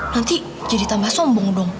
nanti jadi tambah sombong dong